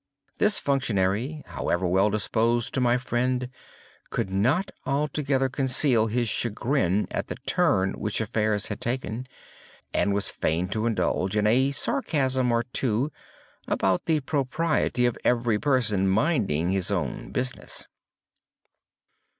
This functionary, however well disposed to my friend, could not altogether conceal his chagrin at the turn which affairs had taken, and was fain to indulge in a sarcasm or two, about the propriety of every person minding his own business.